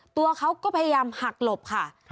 ตัวเขาก็พยายามหักหลบค่ะ